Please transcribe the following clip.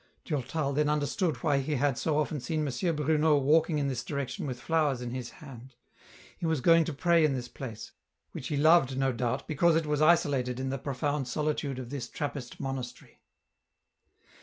Durtal then understood why he had so often seen M. Bruno walking in this direction with flowers in his hand ; he was going to pray in this place, which he loved no doubt because it was isolated in the profound solitude of this Trappist monastery.